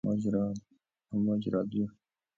امواج رادیو